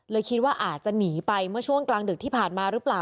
คิดว่าอาจจะหนีไปเมื่อช่วงกลางดึกที่ผ่านมาหรือเปล่า